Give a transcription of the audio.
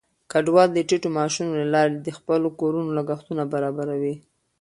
کډوال د ټیټو معاشونو له لارې د خپلو کورونو لګښتونه برابروي.